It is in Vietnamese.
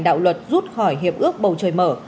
đạo luật rút khỏi hiệp ước bầu trời mở